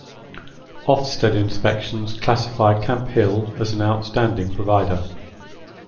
Ofsted inspections classify Camp Hill as an Outstanding Provider.